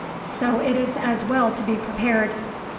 So it is as well to be prepared."